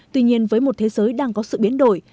tuy nhiên với một thế giới đang có sự biến đổi